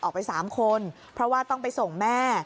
ออกไป๓คนเพราะว่าต้องไปส่งแม่